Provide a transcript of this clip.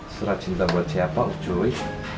surat cinta buat siapa joy